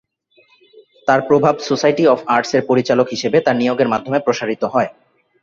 তাঁর প্রভাব society of আর্টস-এর পরিচালক হিসেবে তাঁর নিয়োগের মাধ্যমে প্রসারিত হয়।